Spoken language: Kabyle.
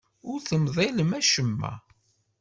Ur temḍilem acemma.